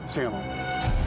saya tidak mau